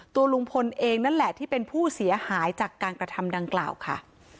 ตัวลุงพลเองนั่นแหละที่เป็นผู้เสียหายจากการกระทำดังกล่าวค่ะ